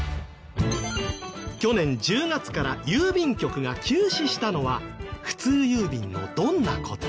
去年１０月から郵便局が休止したのは普通郵便のどんな事？